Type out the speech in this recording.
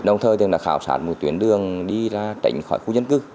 đồng thời khảo sát một tuyến đường đi ra tránh khỏi khu dân cư